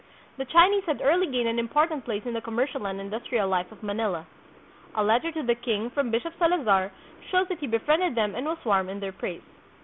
The Chinese had early gained an important place in the commercial and industrial life of Manila. A letter to the king from Bishop Salazar shows that he befriended them and was warm in their praise.